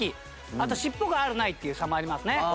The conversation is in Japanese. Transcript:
あと尻尾があるないっていう差もありますね。